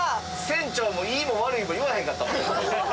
船長もいいも悪いも言わへんかったもん。